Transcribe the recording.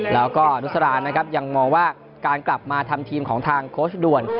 แล้วก็นุสรานนะครับยังมองว่าการกลับมาทำทีมของทางโค้ชด่วน